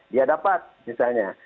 dia dapat misalnya